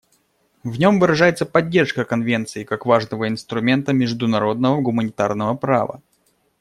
В нем выражается поддержка Конвенции как важного инструмента международного гуманитарного права.